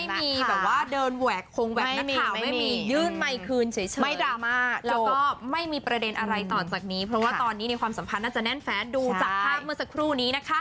แบบว่าเดินแหวกคงแหวกนักข่าวไม่มียื่นไมค์คืนเฉยไม่ดราม่าแล้วก็ไม่มีประเด็นอะไรต่อจากนี้เพราะว่าตอนนี้ในความสัมพันธ์น่าจะแน่นแฟนดูจากภาพเมื่อสักครู่นี้นะคะ